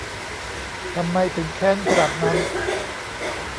ทำไมถึงแค้นขนาดนั้น